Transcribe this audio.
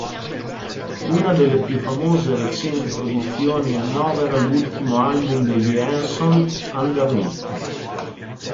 Una delle più famose recenti produzioni annovera l'ultimo album degli Hanson "Underneath.